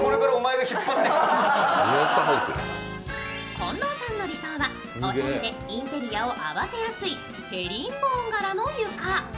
近藤さんの理想は、おしゃれでインテリアを合わせやすいヘリンボーン柄の床。